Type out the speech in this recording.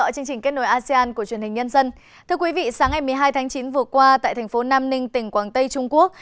thưa quý vị sáng ngày một mươi hai tháng chín vừa qua tại thành phố nam ninh tỉnh quảng tây trung quốc